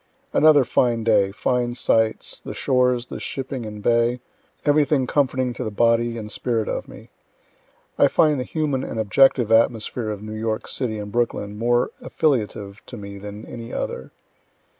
Another fine day, fine sights, the shores, the shipping and bay everything comforting to the body and spirit of me. (I find the human and objective atmosphere of New York city and Brooklyn more affiliative to me than any other.)